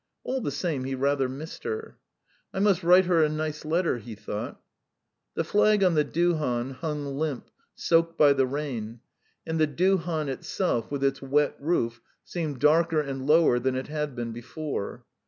All the same, he rather missed her. "I must write her a nice letter ..." he thought. The flag on the duhan hung limp, soaked by the rain, and the duhan itself with its wet roof seemed darker and lower than it had been before.